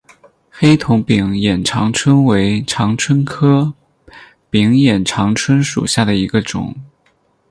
黑头柄眼长蝽为长蝽科柄眼长蝽属下的一个种。